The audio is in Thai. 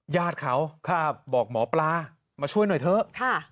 ญาติเขาบอกหมอปลามาช่วยหน่อยเถอะ